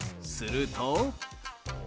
すると。